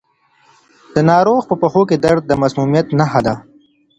د ناروغ په پښو کې درد د مسمومیت نښه نه ده.